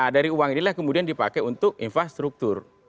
dari uang inilah kemudian dipakai untuk infrastruktur